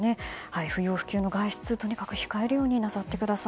不要不急の外出、とにかく控えるようになさってください。